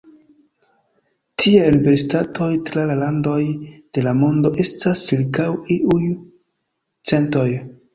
Tiaj universitatoj tra la landoj de la mondo estas ĉirkaŭ iuj centoj.